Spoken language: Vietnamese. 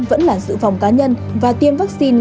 vẫn là sự phòng cá nhân và tiêm vaccine